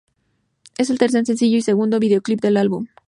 Es el tercer sencillo y segundo videoclip del álbum.